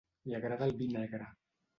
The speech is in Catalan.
Li agrada el vi negre.